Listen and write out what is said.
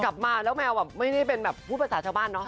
กลับมาแล้วแมวไม่ได้พูดแบบปราศาชาวบ้าน